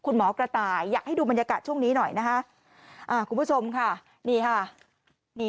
อยากให้ดูบรรยากาศช่วงนี้หน่อยนะคะคุณผู้ชมค่ะนี่ค่ะนี่